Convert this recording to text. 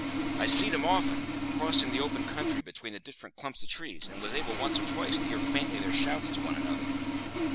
I see'd 'em often, crossing the open country between the different clumps of trees, and was able once or twice to hear faintly their shouts to one another.